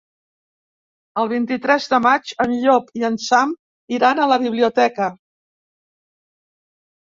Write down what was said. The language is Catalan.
El vint-i-tres de maig en Llop i en Sam iran a la biblioteca.